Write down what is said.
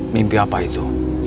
mimpi apa itu